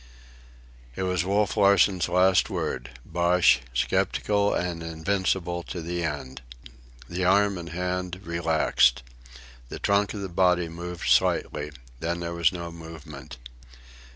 It was Wolf Larsen's last word, "bosh," sceptical and invincible to the end. The arm and hand relaxed. The trunk of the body moved slightly. Then there was no movement.